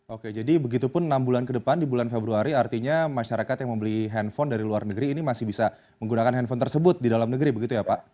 oke jadi begitu pun enam bulan ke depan di bulan februari artinya masyarakat yang membeli handphone dari luar negeri ini masih bisa menggunakan handphone tersebut di dalam negeri begitu ya pak